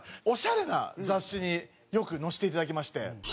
オシャレな雑誌によく載せていただきまして。